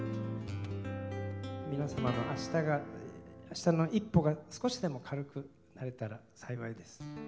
皆様のあしたの一歩が少しでも軽くなれたら幸いです。